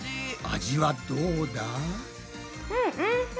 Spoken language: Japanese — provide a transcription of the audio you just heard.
味はどうだ？